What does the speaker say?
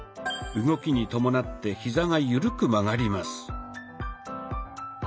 動きに伴ってヒザが緩く曲がります。